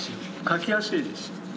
描きやすいです。